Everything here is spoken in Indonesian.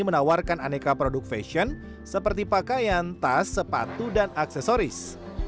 menawarkan aneka produk fashion seperti pakaian tas sepatu dan aksesoris